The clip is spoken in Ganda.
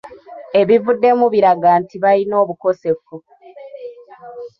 Ebivuddemu biraga nti balina obukosefu.